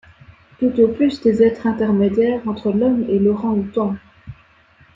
Tout au plus des êtres intermédiaires entre l’homme et l’orang-outang!